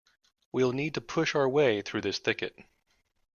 We'll need to push our way through this thicket.